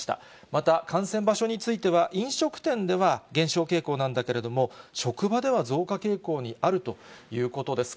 また、感染場所については、飲食店では減少傾向なんだけれども、職場では増加傾向にあるということです。